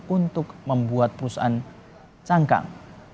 untuk membuat perusahaan cangkang